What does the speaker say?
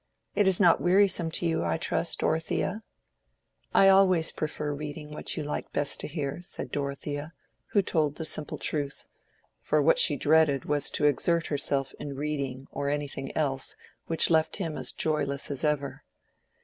It is not wearisome to you, I trust, Dorothea?" "I prefer always reading what you like best to hear," said Dorothea, who told the simple truth; for what she dreaded was to exert herself in reading or anything else which left him as joyless as ever.